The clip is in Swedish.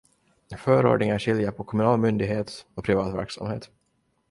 Förordningen skiljer på kommunal myndighet och privat verksamhet.